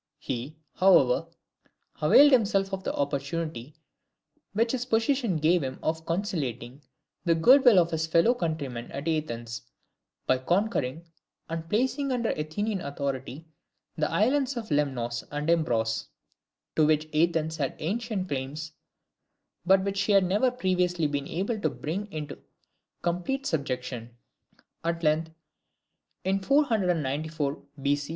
He, however, availed himself of the opportunity which his position gave him of conciliating the goodwill of his fellow countrymen at Athens, by conquering and placing under Athenian authority the islands of Lemnos and Imbros, to which Athens had ancient claims, but which she had never previously been able to bring into complete subjection. At length, in 494 B.C.